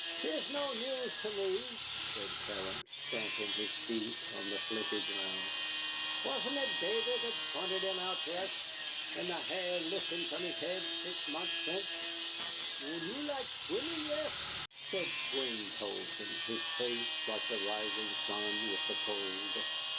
"'Tis no news to me," said Terence, stamping his feet on the flinty ground; "wasn't it Davy that pointed him out to us and the hair liftin' from his head six months since?" "Und you like schwimmin', yes?" said Swein Poulsson, his face like the rising sun with the cold.